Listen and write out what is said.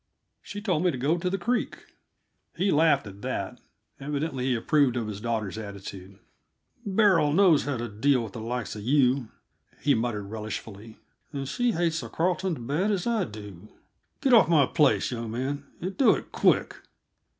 She told me to go to the creek." He laughed at that; evidently he approved of his daughter's attitude. "Beryl knows how to deal with the likes uh you," he muttered relishfully. "And she hates the Carletons bad as I do. Get off my place, young man, and do it quick!"